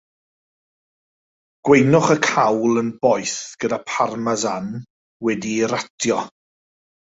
Gweinwch y cawl yn boeth, gyda Parmesan wedi'i ratio.